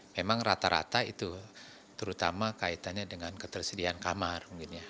memang rata rata itu terutama kaitannya dengan ketersediaan kamar